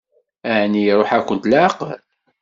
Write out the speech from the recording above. Ɛni iṛuḥ-akent leɛqel?